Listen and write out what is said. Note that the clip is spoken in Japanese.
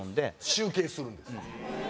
集計するんです。